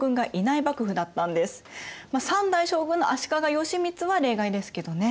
まあ３代将軍の足利義満は例外ですけどね。